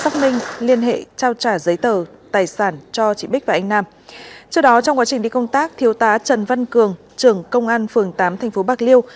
theo đó trong quá trình đi công tác thiếu tá trần văn cường trưởng công an phường tám tp bạc liêu